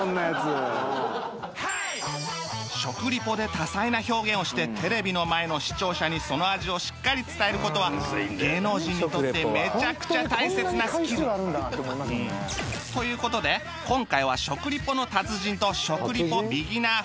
食リポで多彩な表現をしてテレビの前の視聴者にその味をしっかり伝える事は芸能人にとってめちゃくちゃ大切なスキルという事で今回は食リポの達人と食リポビギナー